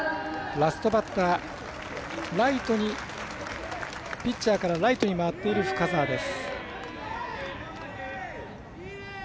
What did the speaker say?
ラストバッターピッチャーからライトに回っている深沢です。